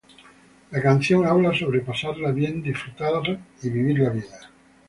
La canción habla sobre pasarla bien, disfrutar y vivir la vida.